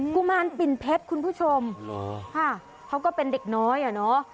กุมารปิ่นเพชรคุณผู้ชมเหรอค่ะเขาก็เป็นเด็กน้อยอ่ะเนอะ